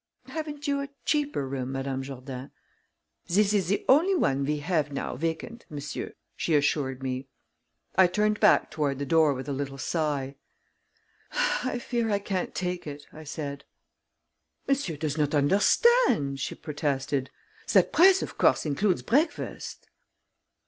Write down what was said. "Haven't you a cheaper room, Madame Jourdain?" "This is the only one we have now vacant, monsieur," she assured me. I turned back toward the door with a little sigh. "I fear I can't take it," I said. "Monsieur does not understand," she protested. "That price, of course, includes breakfast."